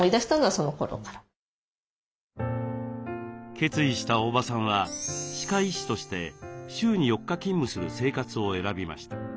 決意した大庭さんは歯科医師として週に４日勤務する生活を選びました。